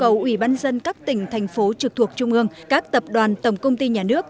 cầu ủy ban dân các tỉnh thành phố trực thuộc trung ương các tập đoàn tổng công ty nhà nước